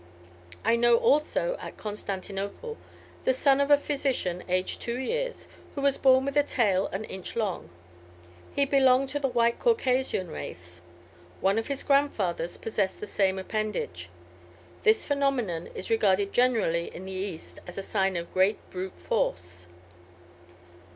"I know also, at Constantinople, the son of a physician, aged two years, who was born with a tail an inch long; he belonged to the white Caucasian race. One of his grandfathers possessed the same appendage. This phenomenon is regarded generally in the East as a sign of great brute force."